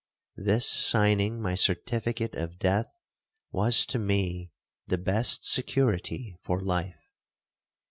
This signing my certificate of death, was to me the best security for life.